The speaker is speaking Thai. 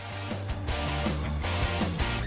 เพียงพอให้ทัพช้างศึกสร้างประวัติศาสตร์ทำผลงานดีที่สุดในฟุตเซาโลก